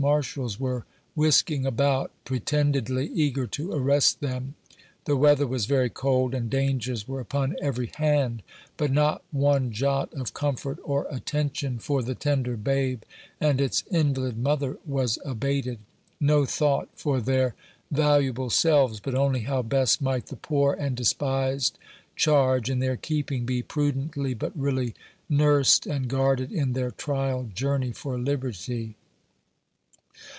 17 Marshals were whisking about, pretendeclly eager to arrest them; the weather was very cold, and dangers were upon every hand ; but not one jot of comfort or attention for the tender babe and its invalid mother was abated. No thought for their valuable selves, but only how best might the poor and despised charge in their keeping be prudently but really nursed and guarded in their trial journey for liberty.